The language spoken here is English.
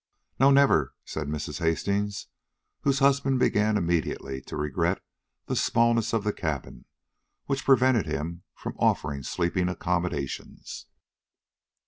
"No, never," said Mrs. Hastings, whose husband began immediately to regret the smallness of the cabin which prevented him from offering sleeping accommodations.